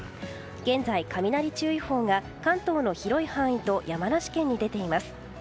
現在、雷注意報が関東の広い範囲と山梨県に出ています。